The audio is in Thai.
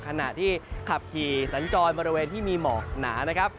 ขณะที่ขับขี่สัญจรบริเวณที่มีหมอกหนานะครับ